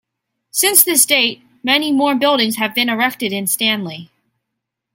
Since this date, many more buildings have been erected in Stanley.